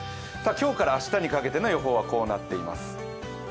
今日から明日にかけての予報はこうなっています。